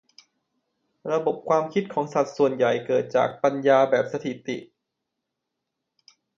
ระบบความคิดของสัตว์ส่วนใหญ่เกิดจากปัญญาแบบสถิติ